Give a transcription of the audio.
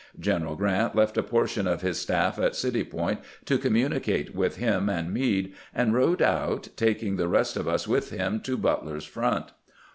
General Grrant left a portion of bis staff at City Point to communicate with him and Meade, and rode out, taking the rest of us with him, to Butler's front.